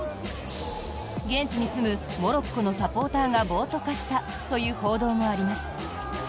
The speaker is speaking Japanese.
現地に住むモロッコのサポーターが暴徒化したという報道もあります。